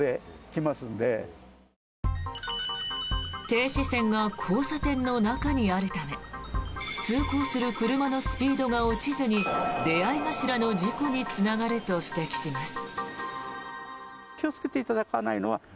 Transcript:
停止線が交差点の中にあるため通行する車のスピードが落ちずに出合い頭の事故につながると指摘します。